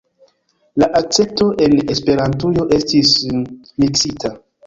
La akcepto en Esperantujo estis… miksita.